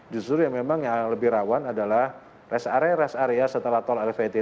justru yang memang yang lebih rawan adalah rest area rest area setelah tol elevated